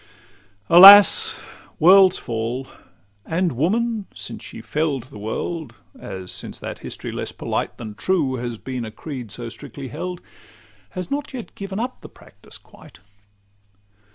Alas! worlds fall—and woman, since she fell'd The world (as, since that history less polite Than true, hath been a creed so strictly held) Has not yet given up the practice quite.